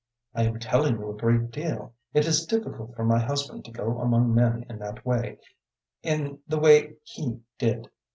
I am telling you a great deal. It is difficult for my husband to go among men in that way in the way he did.